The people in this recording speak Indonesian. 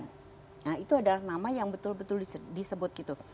nah itu adalah nama yang betul betul disebut gitu